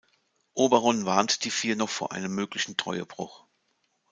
Oberon warnt die vier noch vor einem möglichen Treuebruch.